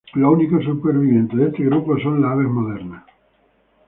Los únicos supervivientes de este grupo son las aves modernas.